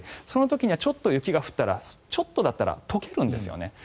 その時はちょっと雪が降ったらちょっとだったら解けるんですよね。